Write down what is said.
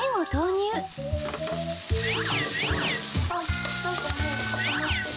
あっ、なんかもう固まってる。